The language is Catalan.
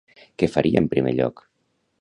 Què faria en primer lloc?